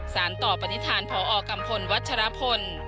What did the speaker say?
สารต่อปณิธานพอกัมพลวัชรพล